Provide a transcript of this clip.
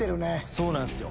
そうなんすよ。